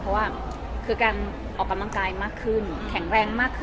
คือตอนนี้แกนสุขภาพตั้งกายโอเคมากแสบแกนเรา